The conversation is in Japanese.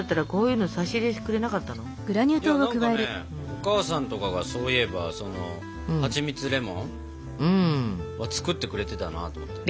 お母さんとかがそういえばそのはちみつレモンを作ってくれてたなと思って。